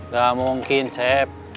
gak mungkin cep